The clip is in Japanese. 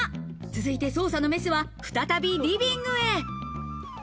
続いて捜査のメスは再びリビングへ。